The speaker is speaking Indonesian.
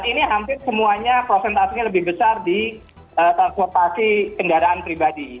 ini hampir semuanya prosentasenya lebih besar di transportasi kendaraan pribadi